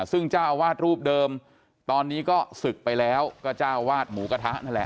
ซึ่งเจ้าอาวาสรูปเดิมตอนนี้ก็ศึกไปแล้วก็เจ้าวาดหมูกระทะนั่นแหละ